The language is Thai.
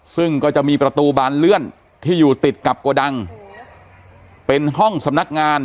ซึ่งก็จะมีประตูบานเลื่อนที่อยู่ติดกับโกดังเป็นห้องสำนักงาน